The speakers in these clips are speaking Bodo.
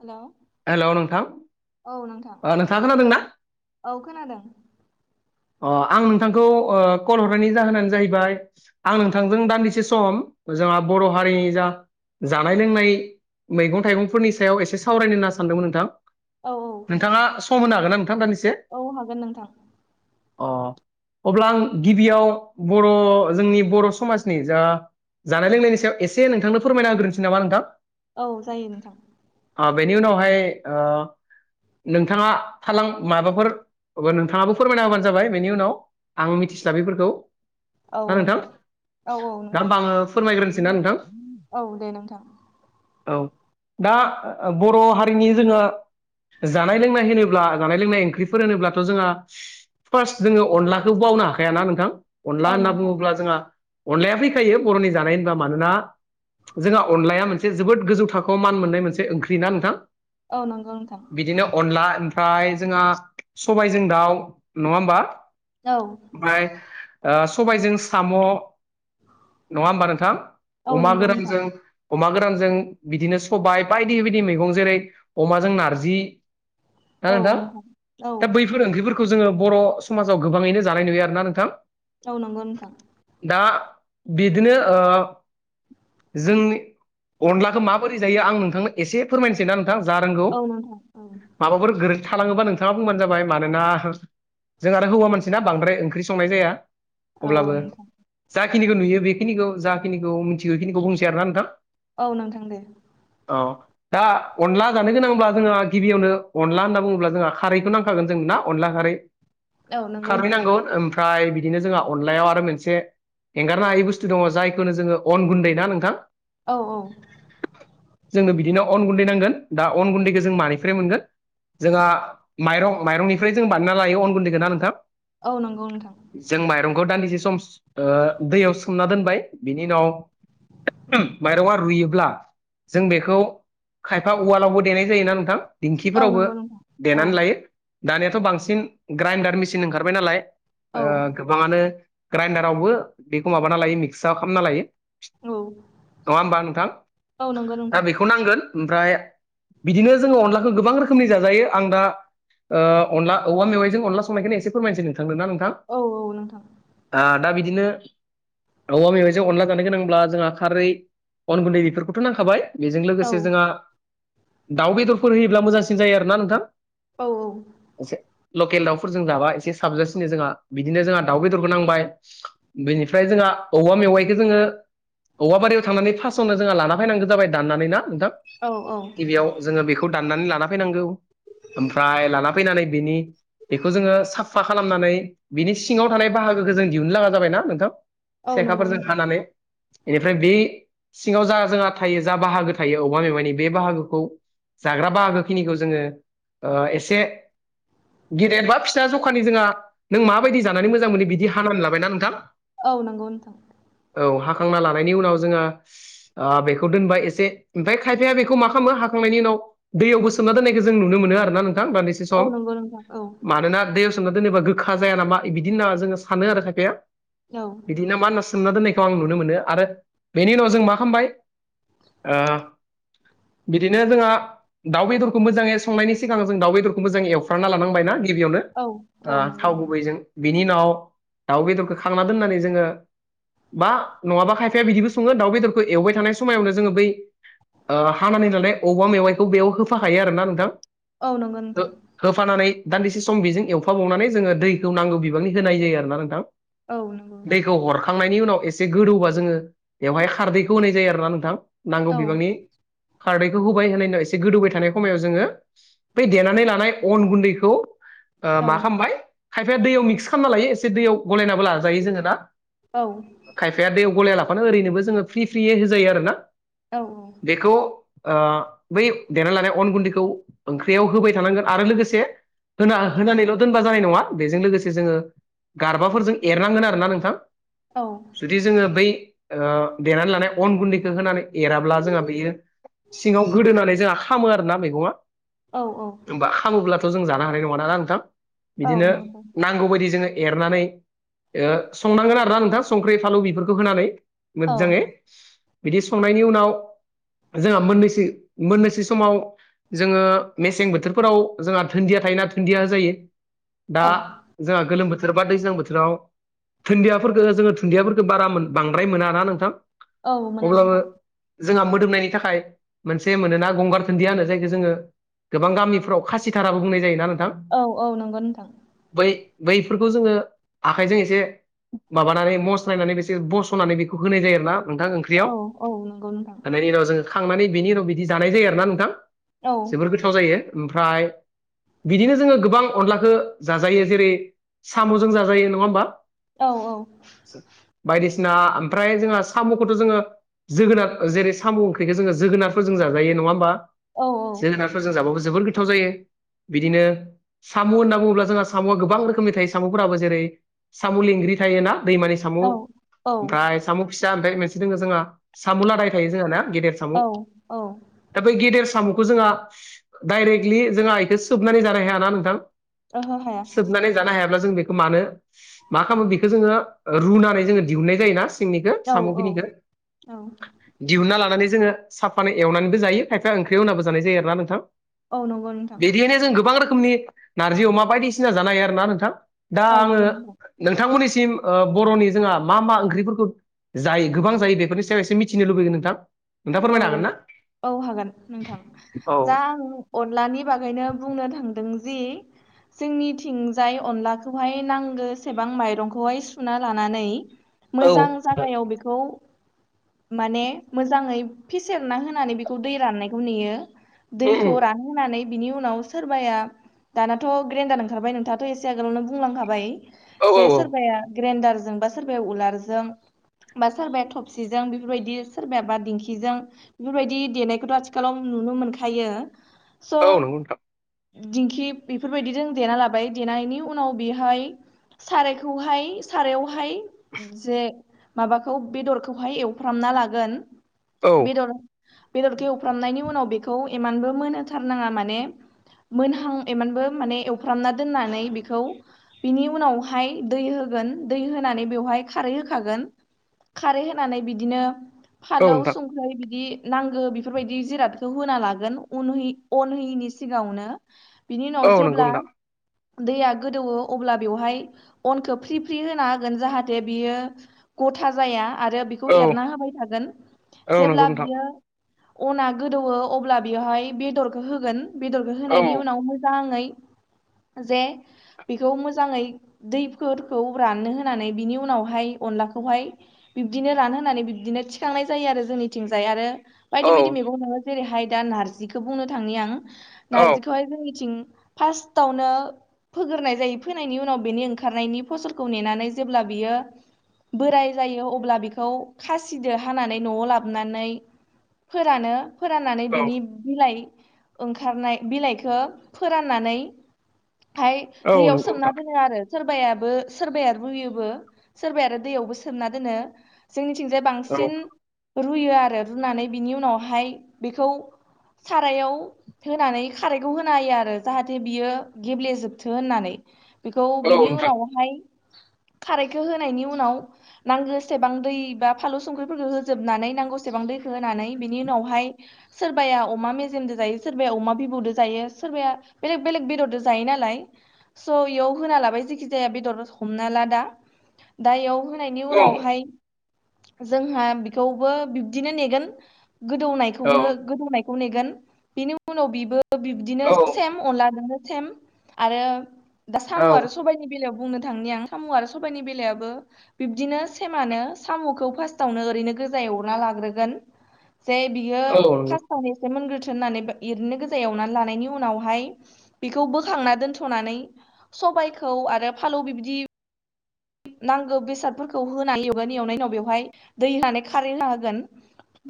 हेल'। हेल' नोंथां अ नोंथाङा खोनादों ना? औ खोनादों। आं नोंथांखौ कल हरनायनि जाहोनानो जाहैबाय। आं नोंथांजों दान्दिसे सम जोंहा बर' हारिनि जा। जानाय लोंनाय मैगं थाइगंफोरनि सायाव एसे सावरायनो होनना सानदोंमोन नोंथां। औ औ नोंथाङा नोंथां सम होनो हागोन ना नोंथां दान्दिसे औ हागोन नोंथां। अ अब्ला आं गिबियाव बर' जोंनि बर' समाजनि जा जानाय लोंनायनि सायाव एसे नोंथांनो फोरमायना होग्रोनोसै नामा नोंथां? औ जायो नोंथां। बेनिउनावहाय ओ नोंथाङा थालां माबाफोर नोंथाङाबो फोरमायना होबानो जाबाय बेनि उनाव आं मिथिस्लाबैफोरखौ। औ नोंथां। औ औ दा नोंथां होमबा आङो फोरमायग्रोनोसै ना नोंथां औ दे नोंथां। औ दा बर' हारिनि जोङो जानाय लोंनाय होनोब्ला जानाय लोंनाय ओंख्रिफोर होनोब्लाथ' जोंहा फार्स्ट जोङो अनलाखौ बावनो हाखायााना नोंथां अनला औ होनना नोंथां बुङोब्ला जोंहा अनलाया फैखायो बर'नि जानाय होनबा मानोना जोंहा अनलाया मोनसे जोबोद गोजौ थाखोआव मान मोननाय मोनसे ओंख्रि ना नोंथां? औ नंगौ नोंथां। बिदिनो अनला ओमफ्राय जोंहा सबायजों दाउ नङा होमबा? औ। ओमफ्राय ओ सबायजों साम' नङा होमबा नोंथां? औ अमा नंगौ नोंथां गोरानजों अमा गोरानजों बिदिनो सबाय बायदि बायदि मैगं जेरै अमाजों नारजि ना औ नोंथां औ दा बैफोर ओंख्रिफोर खौ जोङो बर' समाजाव गोबाङैनो जानाय नुयो आरोना नोंथां? औ नंगौ नोंथां। दा बिदिनो ओ जोंनि अनलाखौ माबोरै जायो आं नोंथांनो एसे फोरमायनोसै ना नोंथां जा रोंगौ औ नोंथां औ माबाफोर गोरो थालाङोबा नोंथाङा बुंबानो जाबाय मानोना जों आरो हौवा मानसिनाा बांद्राय ओंख्रि संनाय जाया औ अब्लाबो। नोंथां जाखिनिखौ नुयो बेखिनिखौ जाखिनिखौ मिथिगौ बेखिनिखौ बुंसै आरोना नोंथां। औ नोंथां दे औ। दा अनला जानो गोनांब्ला जोंहा गिबियावनो अनला होनना बुङोब्ला जोंहा खारैखौ नांखागोन जों ना अनला खारै औ नंगौ खारै नोंथां नांगौ ओमफ्राय बिदिनो जोंहा अनलायाव आरो मोनसे एंगारनो हायै बुस्थु दङ जायखौनो जोङो अन गुन्दै ना नोंथां? औ औ। जोंनो बिदिनो अन गुन्दै नांगोन दा अन गुन्दैखौ जों मानिफ्राय मोनगोन? जोंहा माइरं माइरंनिफ्राय जों बानायना लायो अन गुन्दैखौन ना नोंथां? औ नंगौ नोंथां। जों माइरंखौ दान्दिसे सम ओ दैयाव सोमना दोनबाय बिनि उनाव माइरंआ रुयोब्ला जों बेखौ खायफा उवालावबो देनाय जायोना नोंथां औ दिंखिफोरावबो नंगौ नोंथां औ देनानै लायो। दानियाथ' बांसिन ग्राइडार मेसिन ओंखारबाय नालाय औ ओ गोबाङानो ग्राइडारावबो बेखौ माबाना लायो मिक्सआव खालामना लायो। औ नंङा होमबा नोंथां? औ नंगौ दा नोंथां बेखौ खौ नांगोन ओमफ्राय बिदिनो जोङो अनलाखौ गोबां रोखोमनि जाजायो आं दा ओ अनला औवा मेवाइजों अनला संनायखायनो एसे फोरमायनोसै नोंथांदों ना नोंथां औ औ नोंथां दा बिदिनो औवा मेवाइजों अनला जानो गोनांब्ला जोंहा खारै अन गुन्दै बेफोरखौथ' नांखाबाय बेजों औ लोगोसे जोंहा दाउ बेदरफोर होयोब्ला मोजांसिन जायो आरोना नोंथां औ औ। एसे लकेल दाउफोरजों जाबा एसे साबजासिनो जोंहा बिदिनो जोंहा दाउ बेदरबो नांबाय। बेनिफ्राय जोंहा औवा मेवाइखौ जोङो औवाबारियाव थांनानै फार्स्टआवनो जोंहा लाना फैनांगौ जाबाय दाननानै ना नोंथां? औ औ गिबियाव जोङो बेखौ दाननानै लाना फैनांगौ ओमफ्राय लाना फैनानै बेनि बेखौ जोङो साफा खालामनानै बिनि सिङाव थानाय बाहागोखौ जों दिहुननो लागा जाबायना नोंथां औ नंगौ सेखाफोरजों नोंथां खानानै एनिफ्राय बे सिङाव जा जोंहा थायो जा बाहागो थायो औवा मेवाइनि बे बाहागोखौ जाग्रा बाहागो खिनिखौ जोङो ओ एसे गेदेद बा फिसा जखानि जोंहा नों माबायदि जानानै मोजां मोनो बिदि हानानै लाबायना नोंथां औ नंगौ नोंथां औ हाखांना लानायनि उनाव जोङो ओ बेखौ दोनबाय एसे ओमफ्राय खायफाया बेखौ मा खालामो हाखांनायनि उनाव दैयावबो सोमना दोननायखौ जों नुनो मोनो आरोना नोंथां दसे औ सम नंगौ नोंथां औ मानोना दैयाव सोमना दोनोबा गोखा जाया नामा बिदि होनना जोङो सानो आरो खायफाया औ इदिनो मा सोमना दोननायखौ आं नुनो मोनो आरो बेनि उनाव जों मा खालामबाय ओ बिदिनो जोंहा दाउ बेदरखौ मोजाङै संनायनि सिगां जों दाउ बेदर खौबो जों एवफ्रामना लानांबायना गिबियावनो औ औ ओ नंगौ थाव नोंथां गुबैजों बिनि उनाव दाउ बेदरखौ खांना दोननानै जोङो बा नङाबा खायफाया बिदिबो सङो दाउ बेदरखौ एवबाय थानाय समायावनो जोङो बै ओ हानानै नालाय अबेबा मेवाइखौ बेयाव होफाखायो आरोना नोंथां औ नंगौ नोंथां होफानानै दान्दिसे सम बेजों एवफाबावनानै जोङो दैखौ नांगौ बिबांनि होनाय जायो आरोना नोंथां औ नंगौ दैखौ हर खांनायनि उनाव एसे गोदौबा जोङो बेवहाय खारदैखौ होनाय जायो आरोना नोंथां नांगौ औ बिबांनि खारदैखौ होबाय होनाय उनाव एसे गोदौबाय थानाय हमायाव जोङो बै देनानै लानाय अन गुन्दैखौ ओ औ मा खालामबाय खायफाया दैयाव मिक्स खालामना लायो एसे दैयाव गलायनाबो लाजायो जोङो ना औ खायफाया दैयाव गलाया लाफानो ओरैनोबो जोङो फ्रि फ्रियै होजायो आरो ना औ औ बेखौ ओ बै देना लानाय अन गुन्दैखौ बेयाव होबाय थानांगोन आरो लोगोसे होना होनानैल' दोन होबा जानाय नङा बेजों लोगोसे जोङो गारबाफोरजों एरनांगोन आरोना नोंथां औ जुदि जोङो बै ओ देनानै लानाय अन गुन्दैखौ होनानै एराब्ला जोंहा बेयो सिङाव गोदोनानै जोंहा खामो आरोना मैगङा औ औ होमबा खामोब्लाथ' जों जानो हानाय नङा ना नोंथां औ बिदिनो नंगौ नां गौ बायदि जोङो एरनानै ओ संनांगोन आरोना नोंथां संख्रि फालौ बेफोरखौ होनानै औ मोजाङै बिदि संनायनि उनाव जोंहा मोननोसो मोननोसो समाव जोङो मेसें बोथोरफोराव जोंहा धुन्दिया थायोना धुन्दिया जायो दा औ जोंहा गोलोम बोथोर बा दैज्लां बोथोराव दुन्दियाफोरखौ जोङो दुन्दियाफोरखौ बारा बांद्राय मोनाना नोंथां औ मोना अब्लाबो नोंथां जोंहा मोदोमनायनि थाखाय मोनसे मोनोना गंगार दुनन्दिया होनो जायखौ जोङो गोबां गामिफ्राव खासिथाराबो बुंनाय जायोना नोंथां औ औ नंगौ नोंथां बै बैफोरखौ जोङो आखाइजों एसे माबानानै मस्लायनानै बेसोर बस'नानै बेखौ होनाय जायो आरो ना नोंथां ओं औ ख्रैयाव औ नंगौ नोंथां होनायनि उनाव जोङो खांनानै बेनि उनाव बिदि जानाय जायो आरो ना नोंथां औ जोबोर गो गोथाव जायो ओमफ्राय बिदिनो जोङो गोबां अनलाखौ जाजायो जेरै साम'जों जाजायो नङा होमबा औ औ बायदिसिना ओमफ्राय जोंहा साम'खौथ' जोङो जोगोनार जेरै साम' ओंख्रिखौ जोङो जोगोनारफोर जों जाजायो नङा होमबा औ जोगोनार जों जाबो जोबोर गोथाव जायो बिदिनो साम' होन्ना बुङोब्ला जोंहा साम'आ गोबां रोखोमनि थायो साम'फोराबो जेरै साम' लेंग्रि थायो ना दैमानि औ औ मफ्राय साम' फिसा मोनसे दङ जोंहा साम' लादाय थायो जोंहा गेदेर साम' औ औ दा बै गेदेर साम'खौ जोंहा डाइरेक्टलि जोंहा आइखौ सोबनानै जानो हायाना नोंथां ओहो हाया सोबनानै जानो हायाब्ला जों बेखौ मानो मा खालामो बेखौ जोङो रुनानै जोङो दिहुननाय जायो ना निखौ औ औ सामुनिखौ औ दिहुनना लानानै जोङो साफानाय एवनानैबो जायो खायफा ओंख्रियाव होननाबो जानाय जायो आरोना नोंथां औ नंगौ नोंथां बिदिहायनो जों गोबां रोखोमनि नारजि अमा बायदिसिना जानो हायो आरो ना नोंथां दा औ आङो नंगौ नोंथां नोंथांमोननिसिम बर'नि जोंहा मा मा ओंख्रिफोरखौ जाय गोबां जायो बेफोरनि सायाव एसे मिथिनो लुबैगोन नोंथां नोंथाङा औ फोरमायनो हागोन ना औ हागोन नोंथां औ दा आं अनलानि बागैनो बुंनो थांदों जि जोंनि थिंजाय अनलाखौहाय नांगो सेबां माइरंखौहाय सुना लानानै औ मोजां उम उम जागायाव बेखौ माने मो मोजांओ फेसेेरना होनानै बेखौ दै रानायखौ नेयो दैखौ रा होनानै बिनि उनाव सोरबाया दानाथ' ग्रेन्डार ओंखारबाय नोंथाङाथ' एसे आगोलावनो बुंलांखाबाय औ जे औ औ सोरबाया ग्रेडारजों बा सोरबाया उलारजों बा सोरबाया थबसिजों बेफोरबायदि सोरबाया बाद दिंखिजों बेफोरबायदि देनायखौथ' आथिखालाव नुनो मोनखायो स' औ नंगौ नोंथां दिंखि बेफोरबायदिजों देना लाबाय देनायनि उनाव बेहाय सारायखौहाय सारायावहाय जे माबाखौ बेदरखौहाय एवफ्रामना लागोन औ बेदर बेदरखेवफ्रामनायनि उनाव बेखौ इमानबो मोनथारनाङा माने मोनहां एमानबो माने एवफ्रामना दोननानै बेखौ बिनि उनावहाय दै होगोन दै होनानै बेवहाय खारै होखागोन खारै होनानै बिदिनो औ फालौ नोंथां ओमफ्राय बिदि नांगो बेफोरबायदि जिरादखौ होना लागोन उनह अनहैयिनि सिगाङनो बिनि उनाव औ नंगौ जेब्ला नोंथां औ दैया गोदौवो अब्ला बेवहाय अनखौ फ्रि फ्रि होना होगोन जाहाथे बियो गथा जाया आरो बेखौ एरना होबाय थागोन नंगौ जेब्ला नोंथां बियो अना गोदौवो अब्ला बेवहाय बेदरखौ होगोन बेदरखौ औ होनायनि उनाव मोजाङै जे बेखौ मोजाङै दैफोरखौ राननो होनानै बिनि उनावहाय अनलाखौहाय बिब्दिनो रान होनानै बिबदिनो थिखांनाय जायो आरो जोंनिथिंजाय आरो औ बायदि बायदि मैगं नङो जेरैहाय दा नारजिखौ बुंनो थांनि आं औ नार्जिखौहाय जोंनिथिं फार्स्टावनो फोगोरनाय जायो फोनायनि उनाव बेनि ओंखारनायनि फसलखौ नेनानै जेब्ला बियो बोराय जायो अब्ला बेखौ खासिदो खानानै न'आव लाबोनानै फोरानो फोराननानै बिनि बिलाइ ओंखारनाय बिलाइखो फोराननानै फाय दैयाव नंगौ सोमना नोंथां दोनो आरो सोरबाबो सोरबाया रुयोबो सोरबाया आरो दैयावबो सोमना दोनो जोंनिथिंजाय बांसिन औ बांसिन रुयो आरो रुनानै बिनि उनावहाय बेखौ सारायाव होनानै खारैखौ होनो हायो आरो जाहाथे बियो गेब्लेजोबथो होननानै बेखौ औ बिनि नोंथां उनावहाय खारायखौ होनायनि उनाव नांगोसेबां दै बा फाल संख्रिफोरखौ होजोबनानै नांगौसेबां दैखौ होनानै बिनि उनावहाय सोरबाया अमा मेजेमजों जायो सोरबाया अमा बिबौजों जायो सोरबाया बेलेग बेलेग बेदरजों जायो नालाय। स' एयाव होना लाबाय जेखि जाया बेदर हमना ला दा दा इयाव होनायनि औ उनावहाय जोंहा बेखौबो बिब्दिनो नेगोन औ गोदौनायखौनो गोदौनायखौ नेगोन। बेनि उनाव बिबो बिबदिनो औ सेम अनलाजोंनो सेम आरो दा साम' औ आरो सबायनि बे बुंनो थांनि आं। साम' आरो सबायनि बेलायाबो बिब्दिनो सेमनो साम'खौ फोस सावनो ओरैनो गोजाय अरना लाग्रोगोन जे बियो औ नंगौ औ फासावनो मोनग्रोथोन होननानै एरैनो गोजा एवनानै लानायनि उनावहाय बेखौ बोखांना दोनथ'नानै सबायखौ आरो फालौ बिदि नांगौ बेसादफोरखौ होनानै एवगोन एवनायनि उनाव बेवहाय दै होनानै खारै होना होगोन।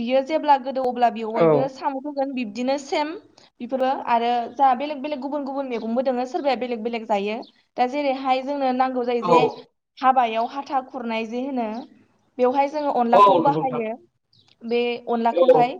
बियो जेब्ला गोदौ अब्ला बेयाव बयबो औ साम' होगोन बिब्दिनो सेम बेफोरबो आरो जोंहा बेलेग बेलेग गुबुन गुबुन मैगंबो दङो सोरबाया बेलेग बेलेग जायो। दा जेरैहाय जोंनो नांगौ जायो जे हाबायाव हाथा खुरनाय जे होनो। बेवहाय जोङो औ अनलाखौ नंगौ नोंथां बाहायो बे औ अनलाखौहाय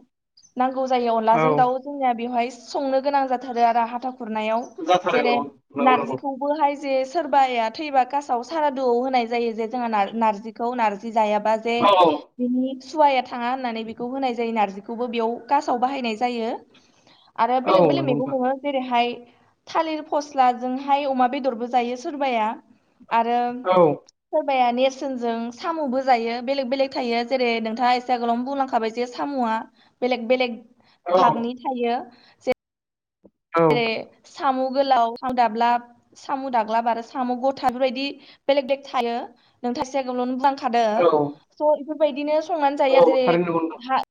नांगौ जायो औ अनलाजों दाउ जोंनिया बेवहाय संनो गोनां जाथारो आरो हाथा खुरनायाव। जाथारो औ जेरै नंगौ नंगौ नारजिखौ बोहाय जे सोरबाया थैबा कासाव सारादुआव होनाय जायो जे जोंहा नार-नारजिखौ नार्जि जायाबा जे औ औ बिनि सुवाया थाङा होननानै बेखौ होनाय जायो नारजिखौबो बेयाव खासाव बाहायनाय जायो। आरो औ बेलेग बेलेग नंगौ मैगं नोंथां थाइगं जेरैहाय थालिर फस्लाजोंहाय अमा बेदरबो जायो सोरबाया। आरो औ सोरबाया नेरसोनजों साम'बो जायो बेलेग बेलेग थायो। जेरै नोंथाङा एसे आगोलावनो बुंलांखाबाय जे साम'आ बेलेग बेलेग औ भाबनि थायो जे औ जेरै साम' गोलाव हां दाब्लाब साम' दाग्लाब आरो साम' गथा बेफोरबायदि बेलेग बेलेग थायो। नोंथासेगायावल'नो दों औ स' बेफोरबायदिनो संनानै जायो आरो जेरै थारैनो नंगौ नोंथां हा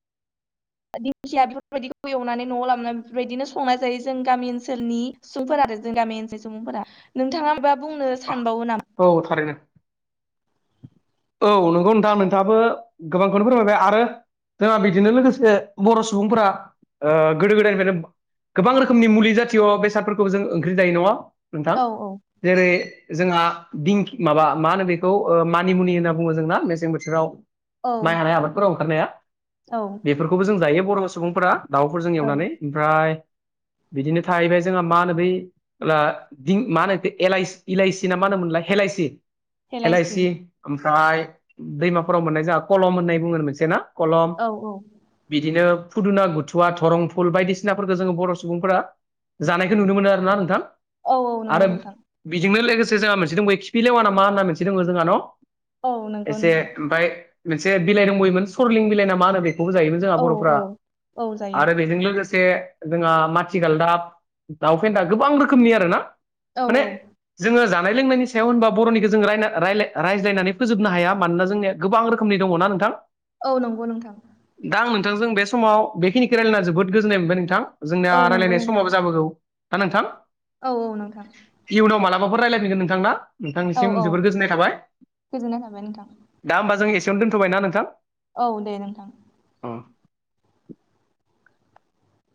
दिंखिया बेफोरबायदिखौ एवनानै न'आव लाबोन बेफोरबायदिनो संनाय जायो जों गामि ओनसोलनि सुबुंफोर आरो जों गामि ओनसोल सुबुंफोरा। नोंथाङा माबा बुंनो सानबावो ना औ थारैनो। औ नंगौ नोंथां नोंथाङाबो गोबांखौनो फोरमायबाय आरो जोंहा बिदिनो लोगोसे बर' सुबुंफोरा गोदो ओ गोदायनिफ्रायनो गोबां रोखोमनि मुलि जातिय' बेसादफोरखौबो जों ओंख्रि जायो नङा नोंथां औ औ जेरै जोंहा दिं माबा मा होनो बेखौ ओ मानिमुनि बो जोंना मेसें बोथोराव औ माइ हानाय आबादफोराव ओंखारनाया औ बे खौबो जों जायो बर' सुबुंफोरा दाउफोरजों औ एवनानै। ओमफ्राय बिदिनो थाहैबाय जोंहा मा होनो बै ब्ला दिं मा होनो एलायसि एलायसि ना मा होनोम मोनला एलइसि हेलायसि हलाइसि ओमफ्राय दैमाफोराव मोननाय जोंहा कलम होननाय बुङो मोनसे ना फलं औ बिदिनो फुदुना बुथुवा दरंफुल बायदिसिनाफोरखौ जोङो बर' सुबुंफोरा जानायखौ नुनो मोनो आरोना नोंथां। औ औ नंगो नोंथां। बिजोंनो लोगोसे जोंहा मोनसे दं बे खिफि लेवाना मा होनना मोनसे दङ जोंहा न' औ नंगौ एसे नोंथां ओमफफ्राय मोनसे बिलाइ दंबोयोमोन सरलिं बिलाइना मा होनो बेखौबो जायोमोन। जोंहा औ बर'फ्रा औ औ जायो आरो बेजों लोगोसे से जोंहा माथिगालदाब दाउ फेन्दा गोबां रोखोमनि आरोना औ माने औ जोङो जानाय लोंनायनि सायाव होनबा बर'निखौ जोङो राय रायला नायनानै फोजोबनो हाया मानोना जोंनिया गोबां रोखोमनि दङ ना नोंथां औ नंगौ नोंथां दा आं नोंथांजों बे समाव बेखिनिखौ रायलायना जोबोद गोजोननाय मोनबाय नोंथां जोंनाया औ नंगौ राय्लायनाय नोंथां समाबो जाबोगौ ना नोंथां औ औ नोंथां इयुनाव मालाबाफोर रायज्लायफिगोन नोंथां ना नोंथांनिसिम जोबोद गोजोननाय थाबाय गोजोन्नाय थाबाय नोंथां दा होमबा जों एसेयावनो दोनथ'बाय ना नोंथां औ दे नोंथां